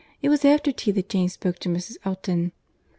It was after tea that Jane spoke to Mrs. Elton."